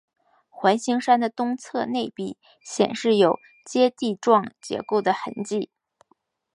环形山的东侧内壁显示有阶地状结构的痕迹。